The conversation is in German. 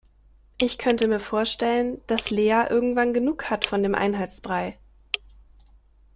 Ich könnte mir vorstellen, dass Lea irgendwann genug hat von dem Einheitsbrei.